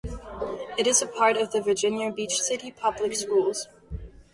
It is a part of the Virginia Beach City Public Schools.